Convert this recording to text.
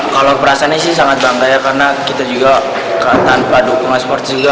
kalau perasaannya sih sangat bangga ya karena kita juga tanpa dukungan support juga